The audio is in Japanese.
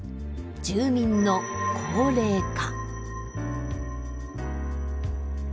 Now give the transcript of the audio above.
住民の高齢化。